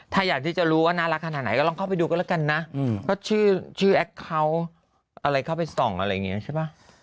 ถ้าอยากที่จะรู้ว่าน่ารักขนาดไหนก็ลองเข้าไปดูกันแล้วกันนะก็ชื่อแอคเคาน์อะไรเข้าไปส่องอะไรอย่างนี้ใช่ป่ะ